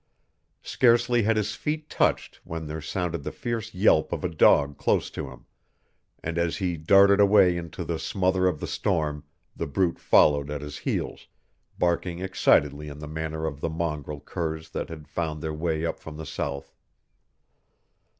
Scarcely had his feet touched when there sounded the fierce yelp of a dog close to him, and as he darted away into the smother of the storm the brute followed at his heels, barking excitedly in the manner of the mongrel curs that had found their way up from the South.